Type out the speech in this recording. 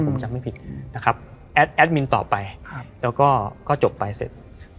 ผมจำไม่ผิดนะครับแอดมินต่อไปแล้วก็จบไปเสร็จ